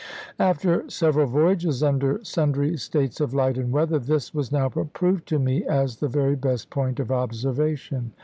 After several voyages under sundry states of light and weather, this was now approved to me as the very best point of observation.